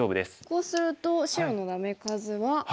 こうすると白のダメ数は。